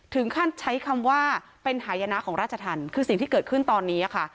ถึงขั้นใช้คำว่าเป็นหายนะของราชธรรมคือสิ่งที่เกิดขึ้นตอนนี้ค่ะ